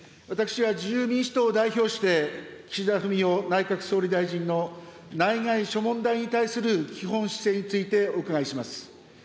私は自由民主党を代表して、岸田文雄内閣総理大臣の内外諸問題に対する基本姿勢についてお伺いします。